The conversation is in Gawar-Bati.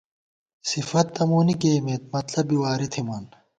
صفت تہ مونی کېئیمېت ، مطلب بی واری تھِمان